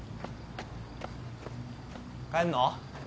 帰んの？